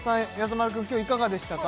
丸くん今日いかがでしたか？